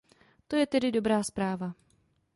To je tedy dobrá zpráva.